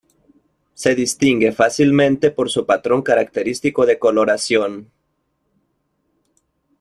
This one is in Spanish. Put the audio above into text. Se distingue fácilmente por su patrón característico de coloración.